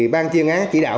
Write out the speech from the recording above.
ban chuyên án chỉ đạo